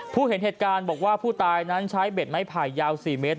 เห็นเหตุการณ์บอกว่าผู้ตายนั้นใช้เบ็ดไม้ไผ่ยาว๔เมตร